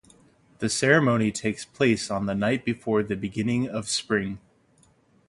The ceremony takes place on the night before the beginning of spring.